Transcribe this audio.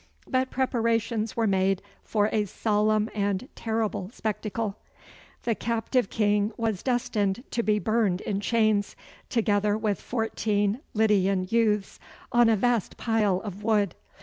But preparations were made for a solemn and terrible spectacle; the captive king was destined to be burned in chains, together with fourteen Lydian youths, on a vast pile of wood.